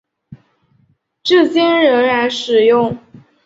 至今仍然使用。